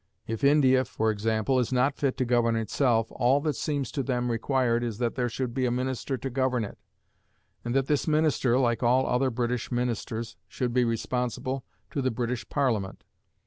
If India (for example) is not fit to govern itself, all that seems to them required is that there should be a minister to govern it, and that this minister, like all other British ministers, should be responsible to the British Parliament.